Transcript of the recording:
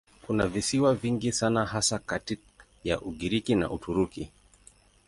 Kuna visiwa vingi sana hasa kati ya Ugiriki na Uturuki.